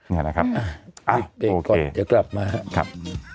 นี่นะครับอะโอเคเดี๋ยวกลับมาครับ